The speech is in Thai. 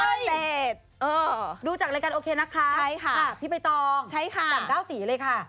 เอ้ยพิเศษดูจากรายการโอเคนะคะขาดพิเภตองต่ำก้าวสีเลยค่ะ